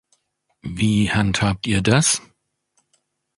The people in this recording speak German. Wie handhabt ihr das?